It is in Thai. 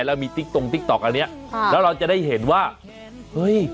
แล้วมีติ๊กตรงติ๊กต๊อกอันเนี้ยค่ะแล้วเราจะได้เห็นว่าเฮ้ย